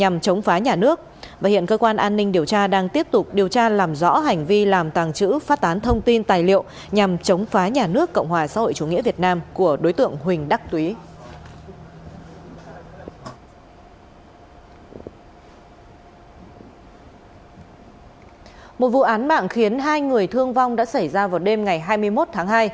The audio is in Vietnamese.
một vụ án mạng khiến hai người thương vong đã xảy ra vào đêm ngày hai mươi một tháng hai